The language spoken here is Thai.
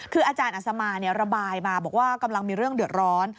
คืออาจารย์อัศมาระบายมาบอกว่ากำลังมีเรื่องเดือดร้อน